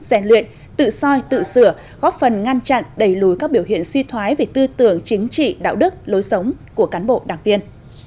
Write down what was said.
rèn luyện tự soi tự sửa góp phần ngăn chặn đẩy lùi các biểu hiện suy thoái về tư tưởng chính trị đạo đức lối sống của cán bộ đảng viên